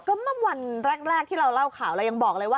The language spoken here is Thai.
ก็เมื่อวันแรกที่เราเล่าข่าวเรายังบอกเลยว่า